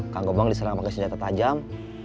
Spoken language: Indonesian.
kang gembong diserang pakai senjata tajam